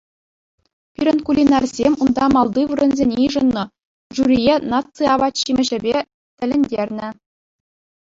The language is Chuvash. Пирӗн кулинарсем унта малти вырӑнсене йышӑннӑ, жюрие наци апат-ҫимӗҫӗпе тӗлӗнтернӗ.